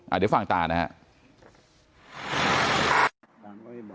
อ่าเดี๋ยวฟังตานะฮะ